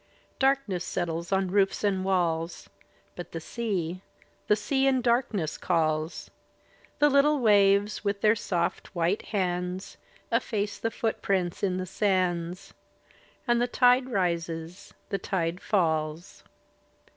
Darkness settles on roofs and walls. But the sea, the sea in the darkness calls; The Utile waves, with their soft, white hands. Efface the footprints on the sands. And the tide rises, the tide falls.